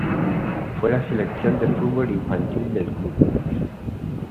Fue la sección de fútbol infantil del club.